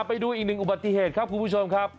ไปดูอีกหนึ่งอุบัติเหตุครับคุณผู้ชมครับ